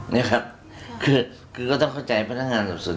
เนี้ยครับคือก็ต้องเข้าใจพันธการสุดสุด